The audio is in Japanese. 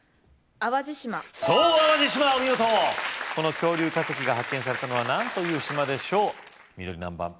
淡路島お見事この恐竜化石が発見されたのは何という島でしょう緑何番？